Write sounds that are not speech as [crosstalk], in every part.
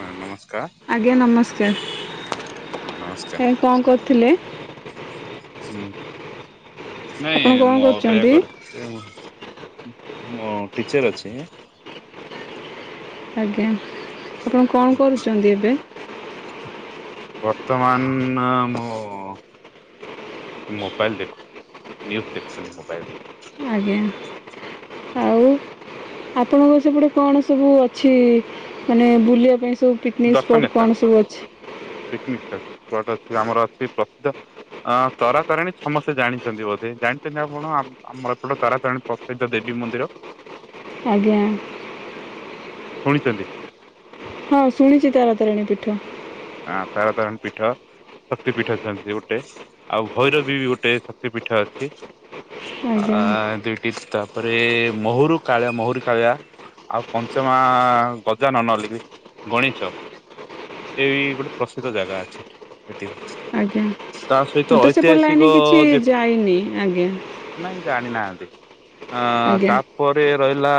Ma'am ନମସ୍କାର [inaudible] ଆଜ୍ଞା ହଁ ନମସ୍କାର ନମସ୍କାର ଏ କଣ କରୁଥିଲେ? ହୁଁ ନାଇଁ ଆପଣ କଣ ମୁଁ ଅପେକ୍ଷା କରୁଛନ୍ତି? କରଛି। ମୁଁ ଟିଚର ଅଛି। ଆଜ୍ଞା ଆପଣ କଣ କରୁଛନ୍ତି ଏବେ? ବର୍ତ୍ତମାନ୍ ମୁଁ ମୋବାଇଲ ଦେଖୁଥିଲି ନ୍ୟୁଜ୍ ଦେଖୁଥିଲି ମୋବାଇଲ ଆଜ୍ଞା। ଆଉ? ଆପଣଙ୍କ ସେପଟେ କଣ ସବୁ ଅଛି ମାନେ ବୁଲିବା ପାଇଁ ସବୁ? ପିକନିକ୍ ସ୍ପଟ୍ କଣ ସବୁ [unintelligible] ଅଛି? ଆମର ଅଛି ପ୍ରସିଦ୍ଧ ଅଁ ତରା ତାରିଣୀ ସମସ୍ତେ ଜାଣିଛନ୍ତି ବୋଧେ ଜାଣିଛନ୍ତି ଆପଣ ଆମର ଏପଟେ ତାରାତାରିଣୀ ପ୍ରସିଧ୍ୟ ଦେବୀ ମନ୍ଦିର। ଆଜ୍ଞା। ଶୁଣିଛନ୍ତି? ହଁ ଶୁଣିଛି ତାରା ତାରିଣୀ ପୀଠ। ଆଁ ତାରା ତାରିଣୀ ପୀଠ ଶକ୍ତି ପୀଠ ଅଛନ୍ତି ସେ ଗୋଟେ ଆଉ ଭୈରଵୀ ବି ଗୋଟେ ଶକ୍ତି ପୀଠ ଅଛି। ଆଜ୍ଞା ଆ ଦୁଇଟି ତାପରେ ମହୁରୁ କାଳ ମହୁରୁ କାଳିଆ। ଆଉ ପଞ୍ଚମା ଗଜାନନ [unintelligible] ଗଣେଶ। ଏଇ ଏଇ ଗୋଟେ ପ୍ରସିଦ୍ଧ ଜାଗା ଅଛି ଏଠି ଏତିକ। ଆଜ୍ଞା ମୁଁ ତ ସେପଟେ ଲାଇନରେ କିଛି ଯେ ଯାଇନି ଆଜ୍ଞା। ନାଇଁ ଜାଣିନାହାନ୍ତି ଅଁ ଆଜ୍ଞା ତା ପରେ ରହିଲା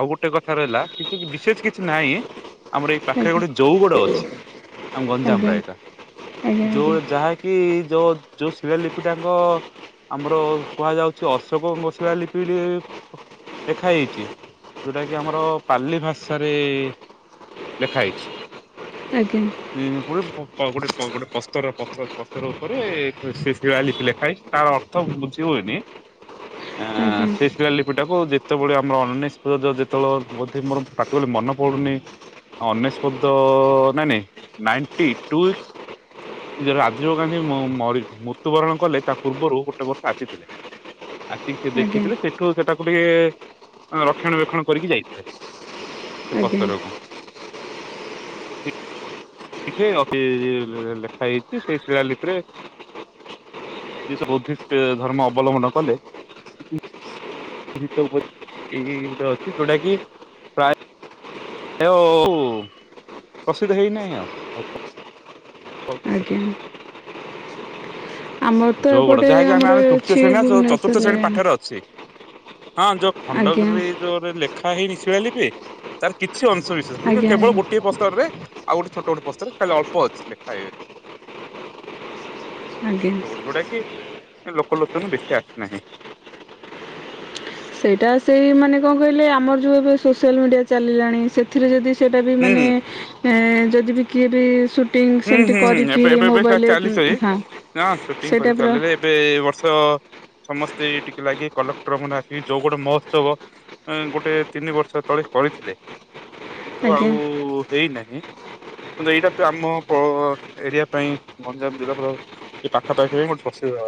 ଆଉ ଗୋଟେ କଥା ରହିଲା କିଛି ବିଶେଷ କିଛି ନାହିଁ। ଆମର ଏଇ ପାଖରେ ଆଜ୍ଞା ଗୋଟେ ଚଉ ଗୋଡ ଅଛି। ଆମ ଗଞ୍ଜାମ ଆଜ୍ଞା ରେ ଏକା ଆଜ୍ଞା ଯୋଉ ଯାହାକି ଯୋଉ ଯୋଉ ଶିଳାଲିପି ଟା [unintelligible] ଆମର କୁହାଯାଉଛି ଅଶୋକଙ୍କ ଶିଳାଲିପି [unintelligible] ଲେଖା ହେଇଛି ଯୋଉଟାକି ଆମର ପାର୍ଲି ଭାଷାରେ ଲେଖା ହେଇଛି। ଆଜ୍ଞା। ଗୋଟେ ଗୋଟେ ଗୋଟେ ପସ୍ତର ପଥର ପସ୍ତର ଓପରେ ସେ ଶଳା ଲିପି ଲେଖାହେଇଛି ତାର ବୁଝିହୁଏନି। ହ [inaudible] ଏଁ ସୀସ୍ ଶିଳାଲିପିଟାକୁ ଯେତେବେଳେ ଆମର [unintelligible] ଯେତେବେଳେ ବୋଧେ ମୋର [unintelligible] ଗଲେ ମନ ପଡୁନି ଅନେଶ ପଦ ନାଇଁ ନାଇଁ ନାଇଣ୍ଟି ଟୁ [unintelligible] ‌ ଯେବେ ରାଜୀବ ଗାନ୍ଧୀ ମରି ମୃତ୍ୟୁବରଣ କଲେ ତା ପୂର୍ବରୁ ଗୋଟେ ବର୍ଷ ଆସିଥିଲେ। ଆସିକି ସେ ଆଜ୍ଞା ଦେଖିଥିଲେ ଆଜ୍ଞା ସେଠୁ ସେଟାକୁ ଟିକେ ରକ୍ଷଣ ବେକ୍ଷଣ କରିକି ଯାଇଥିଲେ ଆଜ୍ଞା ସେ ଆଜ୍ଞା ପସ୍ତରକୁ। ଟିକେ ଅତି ଲେଖା ହେଇଯାଇଚି ସେଇ ଶିଳାଲିିପି ରେ ସିଏତ ବୁଦ୍ଧିଷ୍ଟ ଧର୍ମ ଅବଲମ୍ବନ କଲେ ଶୀତ ଉପରେ [unintelligible] ଗୋଟେ ଅଛି ଯୋଉଟା କି ଏଓ ଉ ପ୍ରସିଦ୍ଧ ହେଇନାହିଁ ଆଉ। ହଉ ପଶି ଆଜ୍ଞା। ଆମର ତ ଜଉଗଡ ଏପଟେ ଯାହାକି ଆମେ ଆମର ଆମେ ତୃତୀୟ ଅଛି ଶ୍ରେଣୀ ନା ଚତୁର୍ଥ ଭୁବନେଶ୍ୱରରେ ଶ୍ରେଣୀ ପାଠରେ ଅଛି। ହଁ ଯୋଉ ଆଜ୍ଞା ଖଣ୍ଡଗିରିରେ ଏଇ ଯୋଉ ରେ ଲେଖା ହେଇନି ଶିଳାଲିପି ତାର କିଛି ଅଂଶ [unintelligible] ଆଜ୍ଞା କେବଳ ଆଜ୍ଞା ଗୋଟିଏ ପସ୍ତର ରେ ଆଉ ଗୋଟିଏ ଛୋଟ ବଟ ପସ୍ତରରେ ଖାଲି ଅଳ୍ପ ଅଛି ଲେଖା ହେଇଅଛି। ଆଜ୍ଞା ଯୋଉଗୁଡା ଯୋଉଗୁଡା କି ଲୋକଲୋଚନ କୁ ବେଶୀ ଆସିନାହିଁ। ସେଇଟା ସେଇ ମାନେ କଁ କହିଲେ ଆମର ଯୋଉ ଏବେ ସୋସିଆଲ ମିଡ଼ିଆ ରେ ଚାଲିଲାଣି ସେ ସେଥିରେ ଯଦି ସେଇଟା ବି ହୁଁ ମାନେ ହୁଁ ଏଁ ଯଦି ବି କିଏ ବି ସୁଟ୍ ସେଟିଙ୍ଗ ସେମତି ହୁଁ ହୁଁ କରିକି ଏବେ ଏବେ ଏବେ ମୋବାଇଲ ରେ ଚାଲିଛି ଉଁ ହଁ ହଁ ସୁଟିଂ ସେ କରି ଟାଇପ୍ ର ଚାଲିଲେ ଏବେ ଏଇ ବର୍ଷସମସ୍ତେ ଟିକେ ଲାଗିକି କଲେକ୍ଟର ମାନେ ଆସିକି ଯୋଉ ଗୋଟେ ମହୋତ୍ସବ ଏଁ ଗୋଟେ ତିନି ବର୍ଷ ତଳେ କରିଥିଲେ। କିନ୍ତୁ ଆଜ୍ଞା ଆଉ ହେଇନାହିଁ। କିନ୍ତୁ ଏଇଟା ତ ଆମ ପ ଏରିଆ ପାଇଁ ଗଞ୍ଜାମ ଜିଲ୍ଲାପାଳ ଏଇ ପାଖାପାଖି ପାଇଁ ଗୋଟିଏ ପ୍ରସିଆ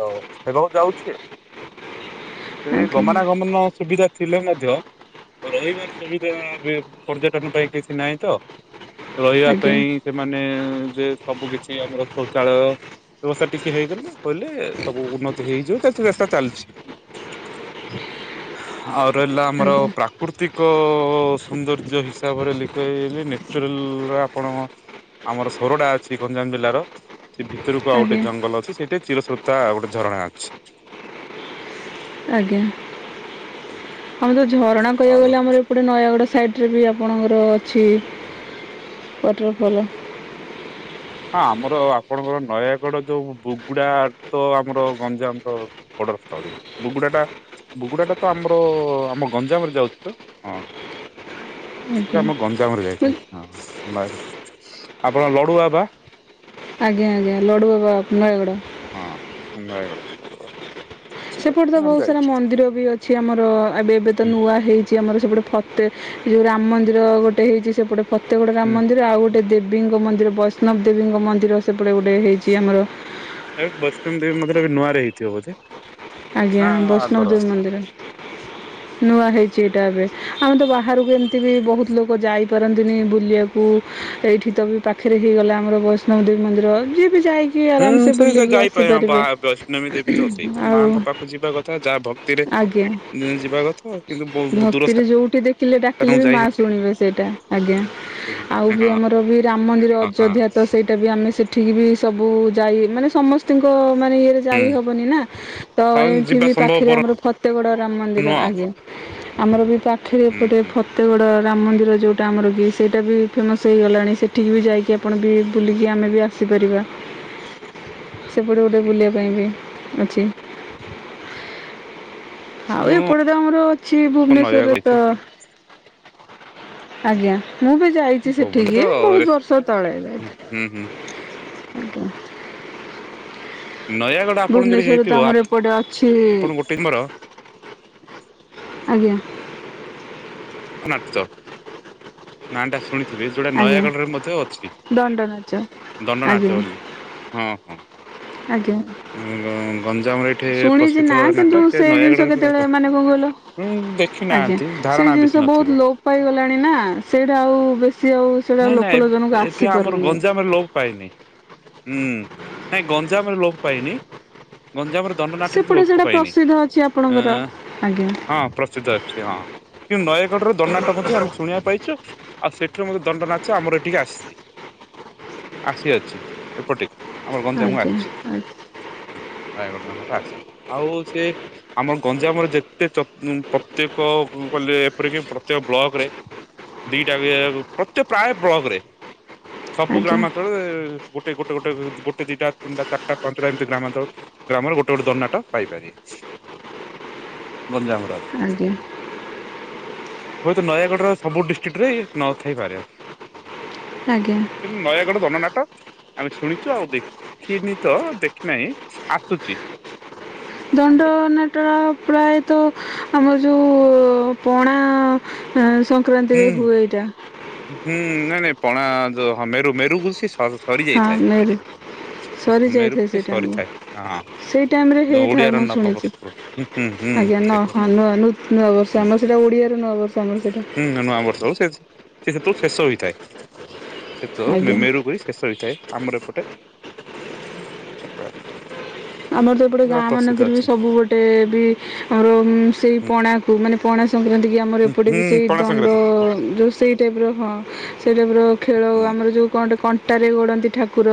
ହେବାକୁ ଯାଉଛି ଆଉ। [unintelligible] ରେ ଗମାନଗମନ ସୁବିଧା ଥିଲେ ମଧ୍ୟ ରହିବାର ସୁବିଧା ବେ ପର୍ଯ୍ୟଟକ ପାଇଁ କିଛି ନାହିଁତ। ରହିବା ଆଜ୍ଞା ପାଇଁ ସେମାନେ ଯେ ସବୁ କିଛି ଆମର ଶୌଚାଳୟ ବ୍ୟବସ୍ଥା ଟିକେ ହେଇଗଲେ କହିଲେ ସବୁ ଉନ୍ନତି ହେଇଯିବ ସେ ଚେଷ୍ଟା ଚାଲିଛି। [unintelligible] ଆଉ ରହିଲା ଆମର ଆଜ୍ଞା ପ୍ରା ପ୍ରାକୃତିକ ସୌନ୍ଦର୍ଯ୍ୟ ହିସାବରେ ଲିପ୍ତହେଇଗଲେ ନ୍ୟାଚୁରାଲ ରେ ଆପଣ ଆମରଶ କୋରୋଡା ଅଛି ଗଞ୍ଜାମ ଜିଲ୍ଲାର ସେ ଭିତରକୁ ଆଉ ଗୋଟେ ଆଜ୍ଞା ଜଙ୍ଗଲ ଅଛି। ସେଠି ଚିରଶ୍ରୋତା ଗୋଟେ ଝରଣା ଅଛି। ଆଜ୍ଞା, ଆମର ଝରଣା କହିବାକୁ ଆଉ ଗଲେ ଆମରଏଠି ଗୋଟେ ନୟାଗଡ଼ ସାଇଟ୍ ରେ ବି ଆପଣଙ୍କର ଅଛି ୱାଟରଫଲ୍। ହଁ ଆମର ଆପଣଙ୍କର ନୟାଗଡ ଯୋଉ ବୁଗୁଡା ତ ଆମର ଗଞ୍ଜାମ ର ବଡର ତଳି ବୁଗୁଡାଟା ବୁଗୁଡାଟା ତ ଆମର ଆମର ଗଞ୍ଜାମରେ ଯାଉଚି ତ ହଁ। ଆଜ୍ଞା ବୁଗୁଡା ଆମ ଗଞ୍ଜାମରେ ମୁଁ ଯାଇଥାଏ। ହଁ ବାସ ଆପଣଙ୍କ ଲଡୁବାବା ଆଜ୍ଞା ଆଜ୍ଞା ଲଡ଼ୁବାବା ଅଫ ନୟାଗଡ଼। ହଁ ନୟାଗଡ଼। ସେଟା ସେପଟେ ତ ଆମେ ବହୁତ ସାରା ଯାଇଛୁ ମନ୍ଦିର ବି ଅଛି ଆମର ଏବେ ଏବେ ତ ହୁଁ ନୂଆ ହେଇଚି। ଇଏ ଆମର ସେପଟେ ଫତେ ଯୋଉ ରାମ ମନ୍ଦିର ଗୋଟେ ହେଇଚି। ସେପଟେ ଫତେଗଡ଼ ରାମ ହୁଁ ମନ୍ଦିର ଆଉ ଗୋଟେ ଦେବ ବୀଙ୍କ ମନ୍ଦିର ବୈଷ୍ଣବ ଦେବୀଙ୍କ ମନ୍ଦିର ସେପଟେ ଗୋଟେ ହେଇଚି ଆମର। ଏ ବୈର୍ଷ୍ଣ ଦେବୀ ମନ୍ଦିର ଏବେ ନୂଆରେ ହେଇଥିବବୋଧେ। ଆଜ୍ଞା ବୈଷ୍ଣବଦେବୀ ମନ୍ଦିର। ନୂଆ ହେଇଚି ଏଇଟା ଏବେ। ଆମେ ତ ବାହାରକୁ ଏମିତି ବି ବହୁତ ଲୋକ ଯାଇପାରନ୍ତିନି ବୁଲିବାକୁ। କୁ ଏଇଠି ତ ବି ପାଖରେ ହେଇଗଲା ଆମର ବୈଷ୍ଣବ ଦେବୀ ମନ୍ଦିର ଯିଏ ବି ଯାଇ ହୁଁ ସେଇ ତ ଯାଇପାରେ ବା ବୈଷ୍ଣବୀ ଦେବୀ ତ ସେଇ ତ ଆଉ ମାଆଙ୍କ ପାଖକୁ ଯିବା କଥା ଯାହା ଭ ଆଜ୍ଞା ବହୁ ଦୂର ଭକ୍ତିରେ ଯୋଉଠି ଦେଖିଲେ ଡାକିଲେ ସ୍ଥାନକୁ ବି ଯାଇ ମା ଶୁଣିବେ ସେଇଟା। ଆଜ୍ଞା ଶୁଣିବେ ଆଉ ବି ହଁ। ଆମର ବି ରାମ ମନ୍ଦିର ହଁ ହଁ ଅଯୋଧ୍ୟା ତ ସେଇ ସେଟା ବି ଆମେ ସେଠିକି ବି ସବୁ ଯାଇ ମାନେ ସମସ୍ତିଙ୍କ ମାନେ ଇଏରେ ଯାଇ ହୁଁ ହେବନିନା। ଅ ଆଉ ଏଠି ଯିବା ବି ପାଖରେ ସମ୍ଭବପର ଆମର ଫତେଗଡ ରାମ ମନ୍ଦିର ନୁହଁ ଆଜ୍ଞା ଆମର ବି ପା ଖେରେ ହୁଁ ଏପଟେ ହୁଁ ଫତ ଏତେବଡ ରାମ ମନ୍ଦିର ଯୋଉଟା ଟା ଆମର ବି ସେଇଟା ବି ଫେମସ୍ ହେଇଗଲାଣି। ସେଠିକିବି ଯାଇକି ଆପଣ ବି ବୁଲିକି ଆମେ ବି ଆସିପାରିବା ସେପଟେ ଗୋଟେ ହୁଁ। ବୁଲିବା ପାଇଁ ବି ଅଛି। ଆଉ ମୁଁ ଏପଟେତ ଆମର ଅଛି ଭୁବନେଶ୍ଵରରେ ନୟାଗଡ଼ ଅଛି ତ ଆଜ୍ଞା ମୁଁ ବି ଯାଇଛି ଭୁବନ ତ ସେଠିକି ବହୁତ ରେସ୍ ବର୍ଷ ତଳେ। ହୁଁ ହୁଁ ହୁଁ। [inaudible] ନୟାଗଡ଼ ଆପଣ ଯଦି ଭୁବନେଶ୍ଵରରେ ହେଇଥିବ ତ ଆମର ଏପଟେ ଅଛି ଆପଣ ଗୋଟେ ମୋର ଆଜ୍ଞା। ନାଚ ନାଁ ଟା ଶୁଣି ଥିବେ ଯୋଉଟା ଆଜ୍ଞା ନୟାଗଡରେ ମଧ୍ୟ ଅଛି। ଦଣ୍ଡ ନାଚ ଆଜ୍ଞା ଦଣ୍ଡନାଚ ବୋଲି ହଁ ହଁ। ଆଜ୍ଞା। ଗଞ୍ଜାମରେ ଏଠି ଶୁଣିଚି ପ୍ରସିଦ୍ଧ ନା ନାଟ କିନ୍ତୁ ସେ ଜିନିଷ ନୟାଗଡ଼ରେ କେତେବେଳେ ମାନେ କଣ କହିଲ ହୁଁ ଦେଖି ଆଜ୍ଞା ନାହାନ୍ତି ସେଇ ଧାରଣା ଜିନିଷ ବେଶୀ ବୋହୁତ ନଥିବ ଲୋପ ପାଇଗଲାଣି ନା ସେଇଟା ଆଉ ବେଶୀ ଆଉ ସେଇଟା ନାଇଁ ଲୋକଲୋଚନକୁ ନାଇଁ ଏଠି ଆମର ଆସିପାରୁନି ଆଉ ଗଞ୍ଜାମରେ ଲୋପ ପାଇନି। ହୁଁ ନାଇଁ ଗଞ୍ଜାମରେ ଲୋପ ପାଇନି। ଗଞ୍ଜାମରେ ଦଣ୍ଡ ନାଟ ଲୋ ସେପଟେ ଲୋପ ସେଇଟା ପାଇନି ପ୍ରସିଦ୍ଧ ଅଛି ଆପଣଙ୍କର ଆଜ୍ଞା ଆ-ଆ-ଆ ହଁ ପ୍ରସିଦ୍ଧ ଅଛି ହଁ। କିନ୍ତୁ ନୟାଗଡ଼ରେ ଦଣ୍ଡନାଟ ମଧ୍ୟ ଆମେ ଶୁଣିବାକୁ ପାଇଚୁ ଆଉ ସେଠୁ ମ ଦଣ୍ଡ ନାଚ ଆମର ଏଠିକି ଆସିଛି ଆସିଅଛି ଏପଟେ। ଆମର ଗଞ୍ଜାମକୁ ଆଜ୍ଞା ଆସିଛି ଆଜ୍ଞା ନୟାଗଡ ଧାନା ଟା ଆସି ଆଉ ସେ ଆମ ଗଞ୍ଜାମରେ ଯେତେ ଯ ପ ପ୍ରତ୍ୟେକ କଲେ ଏପରି କି ପ୍ରତ୍ୟେକ ବ୍ଲକରେ ଦିଟା ବି ଏ ପ୍ରତ୍ୟକ ପ୍ରାୟ ବ୍ଲକ ରେ ସବୁ ଆଜ୍ଞା ଗ୍ରାମାଞ୍ଚଳରେ-ଏ-ଏ ଗୋଟେ ଗୋଟ ଗୋଟେ ଉ-ଉ ଗୋଟେ ଦିଟା ତିନିଟା ଚାରିଟା ପାଞ୍ଚଟା ଏମିତି ଗ୍ରାମାଳଚଳ ଗ୍ରାମରେ ଗୋଟ ଗୋଟେ ଦଣ୍ଡନାଟ ପାଇପାରିବେ। [inaudible] ଗଞ୍ଜାମର। ଆଜ୍ଞା। ହୁଏତ ନୟାଗଡ଼ର ସବୁ ଡିଷ୍ଟ୍ରିକ୍ଟରେ ନ ଥାଇପାରେ। ଆଜ୍ଞା। କିନ୍ତୁ ନୟାଗଡ଼ ଦଣ୍ଡନାଟ ଆମେ ଶୁଣିଚୁ ଆଉ ଦେଖିନି ତ ଦେଖିନାହିଁ ଆସୁଛି। ଆମର। ଦଣ୍ଡ-ଅ-ଅ ନା ଟ ପ୍ରାୟତଃ ଆମର ଯୋଉ-ଉ-ଉ-ଉ ପଣା-ଆ-ଆ-ଆ ସକ ହୁଁ। କ୍ରାନ୍ତିରେ ହୁଏ ଏଇଟା। ହୁଁ ନାଇଁ ନାଇଁ ପଣା-ଆ-ଆ ତ ହଁ ମେରୁ ମେରୁ ଘୁସି ସ ହଁ ମେରୁ। ମେରୁକୁ ସେ ସରିଥାଏ ହଁ। ସେଇ ଟାଇମରେ ହେଇଥାଏ ଓଡିଆର ମୁଁ ନବବର୍ଷ। ଶୁଣିଛି, ହୁଁ ହୁଁ ହୁଁ ଆଜ୍ଞା ନ ସେଇଟା ହଁ ନୂଆ ନୂ ନୂଆ ବର୍ ଷନ ସେଟା ଓଡିଆରେ ନୂଆ ବର୍ଷ ଆମର ସେଟା। ହୁଁ ନୂ ନୂଆ ବର୍ଷ ହୋଉ ସେ ସେ ସେତେବେଳୁ ଶେଷ ହୋଇଥାଏ, ସେତ ମେ ଆଜ୍ଞା ମେରୁ ହୋଇ ଶେଷ ହୋଇଥାଏ ଆମର ଏପଟେ [unintelligible] ଆମର ତ ଏପଟେ ପୁରା ଗାଁ ପ୍ରସିଦ୍ଧ ମାନଙ୍କରେ ବି ଅଛି ସବୁ ଗୋଟେ-ଏ-ଏ ବି ଆମର ଉ-ଉ ସେଇ ପଣା କୁ ମାନେ ପଣା ସଂକ୍ରାନ୍ତି କି ଆମର ହୁଁ ଏପଟେ ହୁଁ ବି ସେଇ ପଣା ସଂକ୍ରାନ୍ତି ଦଣ୍ଡ-ଅ-ଅ ଯୋଉ ସେଇ ଟାଇପ୍ର ହଁ ସେଇ ଟାଇପ୍ର ଖେଳ ହୁଁ ଆମର ଯଉ କଣଟେ କ ଅଟାରେ ଗଡ଼ନ୍ତି ଠାକୁର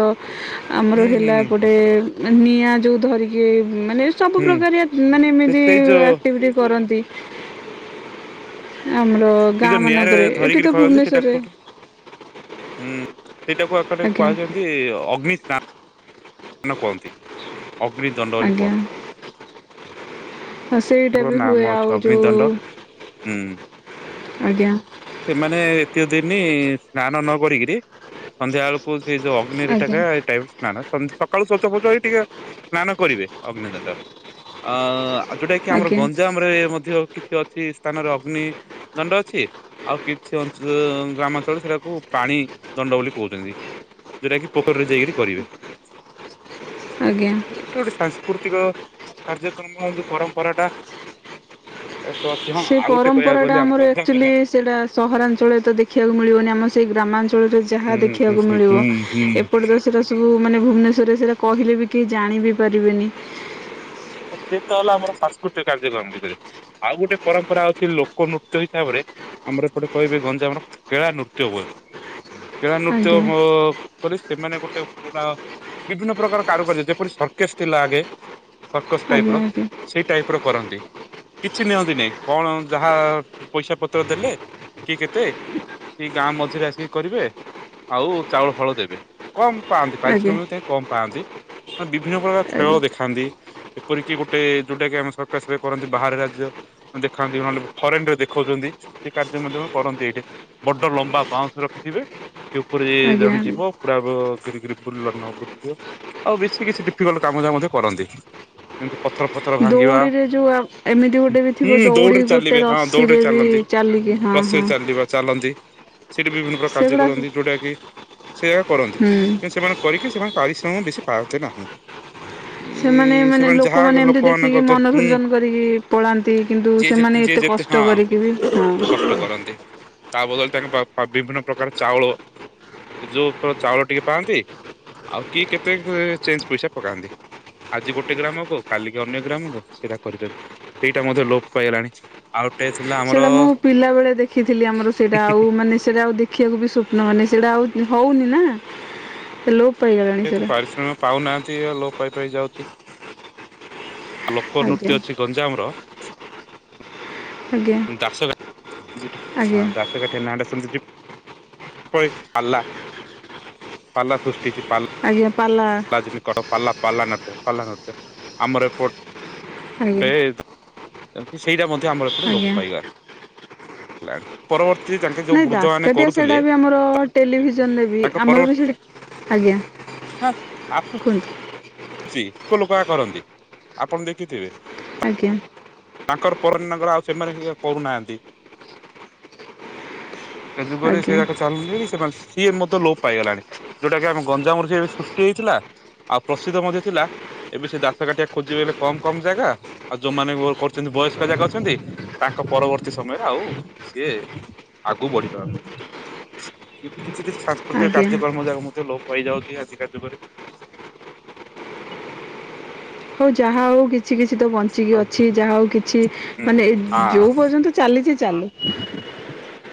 ଆମର ହୁଁ ହୁଁ ହେଲା ହୁଁ କଣ୍ଟାର ଏପଟେ-ଏ-ଏ ନିଆଁ ଯୋଉ ଧରିକି-ଇ-ଇ ମାନେ ସବୁ ହୁଁ ପ୍ରକାରିଆ ମାନେ ସେ ସେଇ ଏମିତି-ଇ-ଇ ଯୋଉ ଆକ୍ଟିଭିଟି କରନ୍ତି। ଆମର ସେ ଗାଁ ଯୋଉ ମାନଙ୍କରେ ନିଆଁରେ-ଏ-ଏ ଏଠି ତ ଧରିକିରି କରନ୍ତି ସେଇଟା ଭୁବନେଶ୍ୱରରେ କୋ ହୁଁ ସେଇଟାକୁ ଏକଟେ ଆଜ୍ଞା କୁହାଯାଆନ୍ତି ଅଗ୍ନି ସ୍ନା ନ କୁହନ୍ତି ଅଗ୍ନି ଦଣ୍ଡ ବୋଲି କୁହନ୍ତି। ଆ ସେଇଟା ତାଙ୍କର ବି ନାମ ହୁଏ ଅଛି ଆଉ ଅଗ୍ନିଦଣ୍ଡ ଯୋଉ-ଉ-ଉ ହୁଁ ଆଜ୍ଞା। ସେମାନେ ଏତୀୟ ଦିନି-ଇ-ଇ ସ୍ନାନ ନକରିକିରି ସନ୍ଧ୍ୟା ବେଳକୁ ସେ ଯୋ ଅ ନି ଆଜ୍ଞା ରିଟାକା ଏ ଟାଇପ ନା ନା ସ ସକାଳୁ ସ୍ୱଚ ଫଉଚ ହେଇ ଟିକେ ସ୍ନାନ କରିବେ ଅଗ୍ନିଦଣ୍ଡ ଅ-ଅ-ଅ-ଅ ଆଉ ଯୋଉଟା କି ଆମର ଆଜ୍ଞା ଗଞ୍ଜାମ ରେ ମଧ୍ୟ କିଛି ଅଛି ସ୍ଥାନରେ ଅଗ୍ନି ଦଣ୍ଡ ଅଛି। ଆଉ କିଛି ଅଞ୍ଚଳ ଗ୍ରାମାଞ୍ଚଳରେ ସେଟାକୁ ପାଣି ଦଣ୍ଡ ବୋଲି କହୁଚନ୍ତି। ଯୋଉଟା କି ପୋଖରୀରେ ଯାଇକି କରିବେ? ଆଜ୍ଞା ଗୋଟେ ସାଂସ୍କୃତିକ କାର୍ଯ୍ୟକ୍ରମ ଯୋଉ ପରମ୍ପରା ଟା ଏତ ଅଛି ହଁ ସେ ଆଉ ଗୋଟେ ପରମ୍ପରା କହିବାକୁ ଟା ଗଲେ ଆମ ଆମର ଗଞ୍ଜାମ ଆକ୍ଚୁଆଲି ଜିଲ୍ଲାର ସେଡା ସହରାଞ୍ଚଳ ତ ଦେଖିବାକୁ ମିଳିବନି ଆମ ସେଇ ଗ୍ରାମାଞ୍ଚଳ ଯାହା ହୁଁ ହୁଁ ଦେଖିବାକୁ ହୁଁ ମିଳିବ ହୁଁ ହୁଁ ଏପଟେ ତ ସେରା ସବୁ ମାନେ ଭୁବନେଶ୍ୱରେ ସେରା କହିଲେ ବି କେହି ଜାଣି ବି ପାରିବେନି? ସେ ତ ହେଲା ଆମର ସାଂସ୍କୃତିକ କାର୍ଯ୍ୟକ୍ରମ ଭିତରେ ଆଉ ଗୋଟେ ପରମ୍ପରା ଅଛି ଲୋକ ନୃତ୍ୟ ହିସାବରେ। ଆମର ଏପଟେ କହିବେ ଗଞ୍ଜାମର କେଳା ନୃତ୍ୟ ବଏ କେଳା ନୃତ୍ୟ ବ ଆଜ୍ଞା ମୁଁ କହିଲି ସେମାନେ ଗୋଟେ ପୁଡା ବିଭିନ୍ନ ପ୍ରକାର କାରୁକାର୍ଯ୍ୟ ଯେପରି ସର୍କେସ ଥିଲା ଆଗେ। ସର୍କସ ଆଜ୍ଞା ଆଜ୍ଞା ଟାଇପର ସେଇ ଟାଇପ ର କରନ୍ତି। କିଛି ନିଅନ୍ତିନି କଣ ଯାହା ପଇସା ପତ୍ର ଦେଲେ କି କେତେ? କି ଗାଁ ମଝିରେ ଆସିକି କରିବେ ଆଉ ଚାଉଳ ଫାଉଳ ଦେବେ। କମ୍ ପାଆନ୍ତି ଆଜ୍ଞା ଆଜ୍ଞା ପାରିଶ୍ରମିକ ତଙ୍କେ କମ୍ ପାଆନ୍ତି ବିଭିନ୍ନ ପ୍ରକାର ଖେଳ ଆଜ୍ଞା ଦେଖାନ୍ତି। ଏପରିକି ଗୋଟେ ଯୋଉଟା କି ଆମେ ସର୍କସରେ କରନ୍ତି ବାହାର ରାଜ୍ୟ। ଦେଖନ୍ତି ନହେଲେ ଫରେନ ରେ ଦେଖାଉଚନ୍ତି ସେ କାର୍ଯ୍ୟ ମଧ୍ୟ କରନ୍ତି ଏଇଠି। ବଡ ଲମ୍ବା ବାଉଁଶ ରଖିଥିବେ ସେ ଉପରେ ଆଜ୍ଞା ଜଣେ ଯିବ। ପୁରା ଫୁରା ଘିରି ଘିରୀ ବୁଲିଲଣି [unintelligible] ନା ଆଉ ବେଶୀ କିଛି ଡିଫିକଲ୍ଟ କାମ ଯା ମଧ୍ୟ କରନ୍ତି। ଏମତି ପଥର ଫଥର ଭାଙ୍ଗିବା ଦୌଡ଼ିରେ ଯୋଉ ଆ ଏମିତି ଗୋଟେ ବି ଥିବ ହୁଁ ଦୌଡ଼ି ଦୌଡିରେ ଗୋଟେ ଚାଲିବେ ହଁ ଦୌଡିରେ ରସିରେ ବି ଚାଲନ୍ତି। ଚାଲିକି ହଁ ରଥରେ ହଁ ଚାଲିବ ଚାଲନ୍ତି। ସେଇଠି ବିଭିନ୍ନ ପ୍ରକାର କାର୍ଯ୍ୟ ସେଗୁଡ଼ା ହୁଁ କରନ୍ତି ଯେଉଁଟା କି ସେଇଆ କରନ୍ତି? କିନ୍ତୁ ସେମାନେ କରିକି ସେମାନେ ପାରିଶ୍ରମ ବେଶୀ ପାଆନ୍ତି ନାହିଁ। ଉଁ ମାନେ ସେମାନେ ଲୋକମାନେ ଯାହା ଏମିତି ଦେଖିକି ଲୋକମାନଙ୍କ ଦ୍ୟ ହୁଁ ମନୋରଞ୍ଜନ କରିକି ପଳାନ୍ତି କିନ୍ତୁ ଯିଏ ଯେ ସେମାନେ ଯିଏ ଏତେ ଯେତେ କଷ୍ଟ ହଁ କରିକି ବି ହଁ କଷ୍ଟ କରନ୍ତି ତା ବଦଳେ ତାଙ୍କ ପା ପା ବିଭିନ୍ନ ପ୍ରକାର ଚାଉଳ ଯୋଉ ପ୍ର ଚାଉଳ ଟିକେ ପାଆନ୍ତି ଆଉ କି କେତେ ଚେଞ୍ଜ୍ ପଇସା ପକାନ୍ତି। ଆଜି ଗୋଟେ ଗ୍ରାମ କୁ କାଲିକି ଅନ୍ୟ ଗ୍ରାମକୁ ସେଇଟା କରି କରି ସେଇଟା ମଧ୍ୟ ଲୋପ ପାଇଗଲାଣି। ଆଉ ଟେ ଥିଲା। ଆମର ସେଇଟା ମୁଁ ପିଲା ବେଳେ ଦେଖିଥିଲି ଆମର ସେଇଟା ଆଉ ମାନେ ସେଇଟା ଆଉ ଦେଖିବାକୁ ବି ସ୍ୱପ୍ନ ମାନେ ସେଉଡା ଆଉ ହଉନି ନା ଲୋପ ପାଇଗଲାଣି ଯେହେତୁ ସେରା ପାରିଶ୍ରମ ପାଉନାହାନ୍ତି ଲୋପ ପାଇପାଇ ଯାଉଛି। ଲୋକ ଆଜ୍ଞା ନୃତ୍ୟ ଅଛି ଗଞ୍ଜାମର ଆଜ୍ଞା ଦାସ ଗା ଦୁଇଟି ଆଜ୍ଞା ହଁ ଦା ଟିକେ ନା ଟା ଶୁଣୁ ଟିପ ଓୟ ଆଲା ପାଲା ସୃଷ୍ଟି ହେଇଛି ପାଲା ଆଜ୍ଞା ପାଲା ଆଜି ବି କଟକ ପାଲା ପାଲା ନାଚ ପାଲା ନୃତ୍ୟ ଆମର ଏପ ଆଜ୍ଞା। ସେଇଟା ମଧ୍ୟ ଆମର ଏପଟେ ଲୋପ ଆଜ୍ଞା ପାଇଗ ପରବର୍ତ୍ତୀ ଯେହ୍ନେ ନାଇ ଦାସକାଠିଆ ସେଇଡା ବି ଆମର ଟେଲିଭିଜନରେ ବି ତାଙ୍କ ଆମର ବି ପରବର୍ତ୍ତୀ ସେଇଠି ଆଜ୍ଞା କୁହନ୍ତୁ? ସି ତାଙ୍କ ଲୋକ ଆ କରନ୍ତି ଆପଣ ଦେଖିଥିବେ? ଆଜ୍ଞା। ତାଙ୍କର ପରନଗର ଆଉ ସେମାନେ କିଏ କରୁନାହାନ୍ତି? ସ ଯୁଗରେ ଆଜ୍ଞା ସଆର୍କସ କାଲିବି ସେମାନେ ଇଏ ମଧ୍ୟ ଲୋପ ପାଇଗଲାଣି ଯୋଉଟା କି ଆମ ଗଞ୍ଜାମରୁ ଯେ ଏବେ ସୃଷ୍ଟି ହେଇଥିଲା ଆଉ ପ୍ର ସେ ତ ମଧ୍ୟ ଥିଲା ଏବେ ସେ ଦାସକାଠଆ ଖୋଜିବେ ହେଲେ କମ୍ କମ୍ ଜାଗା। ଆଉ ଯୋଉମାନେ ମୋର କରୁଚନ୍ତି ବୟସ୍କଜାଙ୍କ ଅଛନ୍ତି ତାଙ୍କ ପରବର୍ତ୍ତୀ ସମୟରେ ଆଉ ସିଏ। ଆଗୁ ବଢିପାରୁନି ଏଠି କିଛି କିଛି ସାଗ। ପ୍ରତ୍ୟେକ ଆଜ୍ଞା କାର୍ଯ୍ୟକ୍ରମ ଯାହା ହଉ ମଧ୍ୟ ଲୋପ ପାଇଯାଉଚି ଆଜି କା ଯୁଗରେ। ହଉ ଯାହା ହଉ କି? କିଛି କିଛି ତ ବଞ୍ଚିକି ଆଉ ହୁଁ। ଅଛି ଯାହା ହଉ କିଛି ମାନେ ହଁ ଯୋଉ ପର୍ଯ୍ୟନ୍ତ ଚାଲିଚି ଚାଲୁ। ହ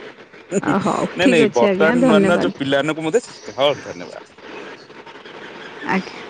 ନାଇଁ ନାଇଁ ବର୍ତ୍ତମାନ ନୂଆ ନୂଆ ଧନ୍ୟବାଦ ଯୋଉ ପିଲାମାନଙ୍କୁ ମେ ଶିଖ ହଁ ଧନ୍ୟବାଦ। ଆଜ୍ଞା।